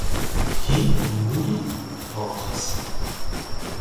King und Muddy Waters.